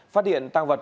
phát hiện tăng vật